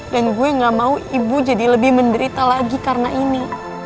dan gue gak mau ibu jadi lebih menderita lagi karena ini